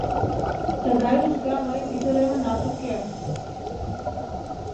Тыгай ужга мыйын ӱдыремынат уке.